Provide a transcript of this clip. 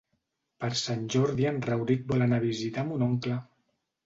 Per Sant Jordi en Rauric vol anar a visitar mon oncle.